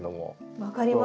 分かります。